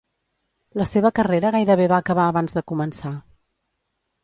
La seva carrera gairebé va acabar abans de començar.